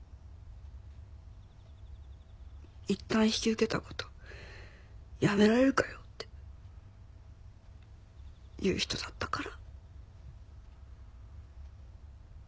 「いったん引き受けた事やめられるかよ」って言う人だったから。